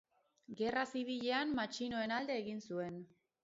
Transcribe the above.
Gerra Zibilean matxinoen alde egin zuen.